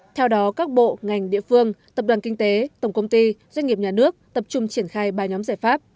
theo đó các bộ ngành địa phương tập đoàn kinh tế tổng công ty doanh nghiệp nhà nước tập trung triển khai ba nhóm giải pháp